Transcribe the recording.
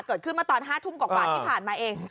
เกิดขึ้นเมื่อตอน๕ทุ่มกว่าที่ผ่านมาเอง